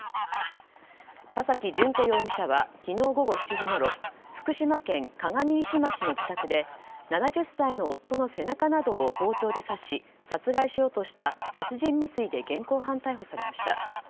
田崎淳子容疑者は昨日午後７時ごろ福島県鏡石町の自宅で７０歳の夫の背中などを包丁で刺し殺害しようとした殺人未遂で現行犯逮捕されました。